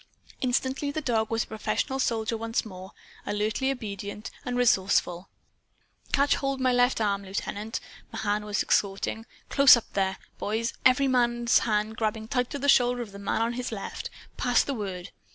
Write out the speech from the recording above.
Instantly the dog was a professional soldier once more alertly obedient and resourceful. "Catch hold my left arm, Lieutenant!" Mahan was exhorting. "Close up, there, boys every man's hand grabbing tight to the shoulder of the man on his left! Pass the word.